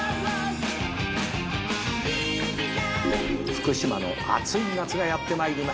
「福島の暑い夏がやってまいりました」